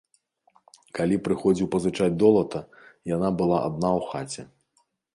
Калі прыходзіў пазычаць долата, яна была адна ў хаце.